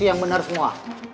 isi yang bener semua